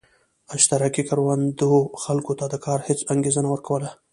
اشتراکي کروندو خلکو ته د کار هېڅ انګېزه نه ورکوله.